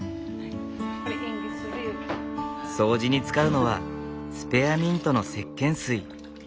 掃除に使うのはスペアミントのせっけん水。